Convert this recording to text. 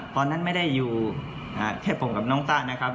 ตอนนั้นไม่ได้อยู่แค่ผมกับน้องต้านะครับ